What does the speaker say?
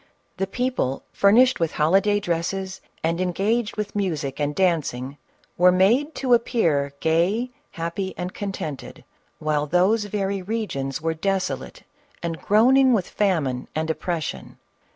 The people furnished with holiday dresses, and engaged with music and dancing, were made to appear gay, happy, and con tented, while those very regions were desolate and groaning with famine and oppression.